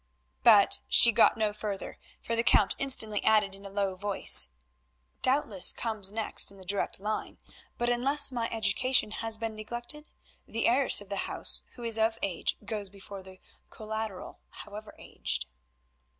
But she got no further, for the Count instantly added in a low voice— "Doubtless comes next in the direct line, but unless my education has been neglected, the heiress of the house who is of age goes before the collateral—however aged."